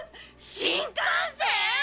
新幹線！？